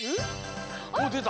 おっでた。